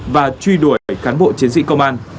và truy đuổi cán bộ chiến sĩ công an